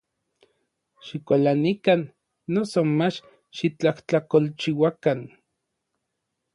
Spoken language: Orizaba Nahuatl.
Xikualanikan, noso mach xitlajtlakolchiuakan.